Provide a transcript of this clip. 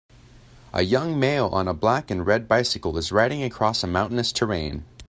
A young male on a black and red bicycle is riding across a mountainous terrain.